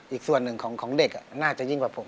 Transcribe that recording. อีกส่วนหนึ่งของเด็กน่าจะยิ่งกว่าผม